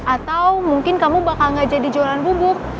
atau mungkin kamu bakal gak jadi jualan bubuk